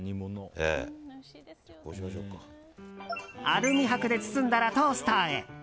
アルミ箔で包んだらトースターへ。